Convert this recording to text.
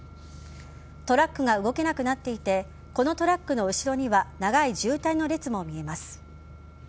トラックが動けなくなっていてこのトラックの後ろには長い渋滞の列も見えます。